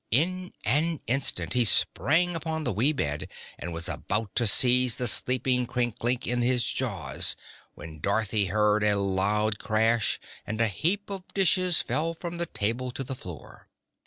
In an instant he sprang upon the wee bed and was about to seize the sleeping Crinklink in his jaws when Dorothy heard a loud crash and a heap of dishes fell from the table to the floor.